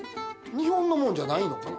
こんなん、日本のものじゃないのかな？